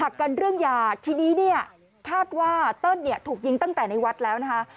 หักกันเรื่องยาทีนี้คาดว่าเติ้ลถูกยิงตั้งแต่ในวัดแล้วนะคะ